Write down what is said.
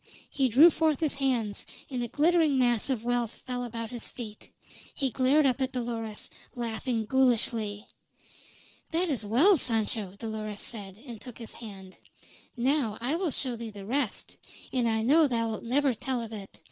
He drew forth his hands, and a glittering mass of wealth fell about his feet. He glared up at Dolores, laughing ghoulishly. "That is well, Sancho," Dolores said, and took his hand. "Now I will show thee the rest; and I know thou'lt never tell of it.